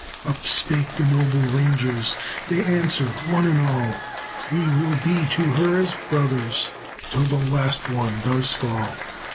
Up spake the noble rangers, They answered one and all, "We will be to her as brothers Till the last one does fall."